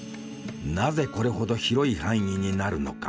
なぜこれほど広い範囲になるのか。